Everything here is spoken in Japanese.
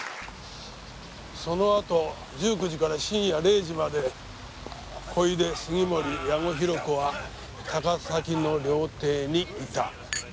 その後１９時から深夜０時まで小出杉森矢後弘子は高崎の料亭にいた。